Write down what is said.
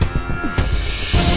saya mau ke rumah